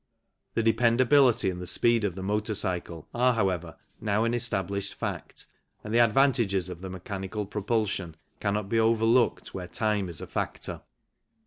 The dependability and speed of the motor cycle are, however, now an established fact, and the advantages of the mechanical propulsion cannot be overlooked where time is a factor.